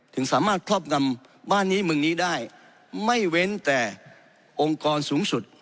ถึงสามารถครอบงำบ้านนี้เมืองนี้ได้ไม่เว้นแต่องค์กรสูงสุด